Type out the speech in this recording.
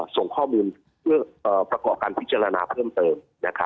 ส่งข้อมูลเพื่อประกอบการพิจารณาเพิ่มเติม